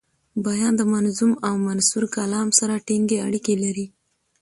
بیان د منظوم او منثور کلام سره ټینګي اړیکي لري.